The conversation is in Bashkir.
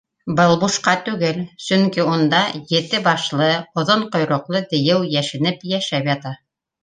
Был бушҡа түгел, сөнки унда ете башлы, оҙон ҡойроҡло дейеү йәшенеп йәшәп ята.